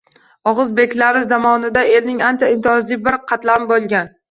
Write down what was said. O’g’iz beklari zamonida elning ancha imtiyozli bir qatlami bo’lgan.